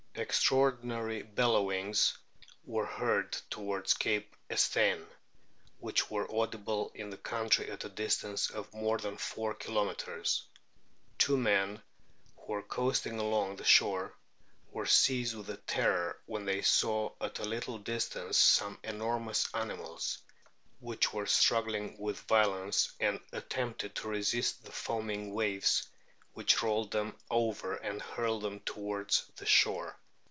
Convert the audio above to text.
Extraordinary bellowings were heard towards Cape Estain, which were audible in the country at a distance of more than four kilometres. Two men who were coasting alon^ the shore were o o seized with terror when they saw at a little distance some enormous animals, which were struggling with violence and attempted to resist the foaming waves which rolled them over and hurled them towards the shore.